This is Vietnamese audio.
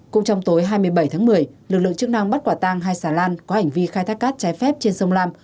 cũng trong tối hai mươi bảy tháng một mươi lực lượng chức năng bắt quả tang hai xà lan có hành vi khai thác cát trái phép trên sông lam